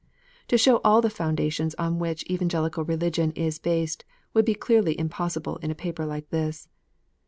To show all the foundations on which Evangelical Religion is based, would be clearly impossible in a paper like this.